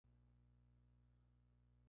Que, de hecho, lo hicieron.